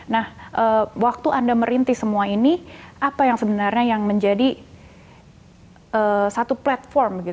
nah waktu anda merintis semua ini apa yang sebenarnya yang menjadi satu platform